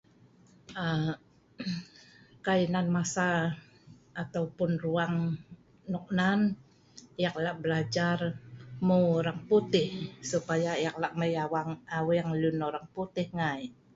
um kai nan masa ataupun ruang nok nan, ek lak belajar hmeu orang putih, supaya ek lak mei awang aweng orang putih ngai